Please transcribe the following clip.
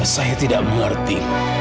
saya tidak mengerti